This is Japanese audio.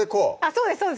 そうです